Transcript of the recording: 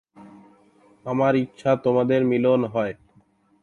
আমার ইচ্ছা তোমাদের মিলন হয়।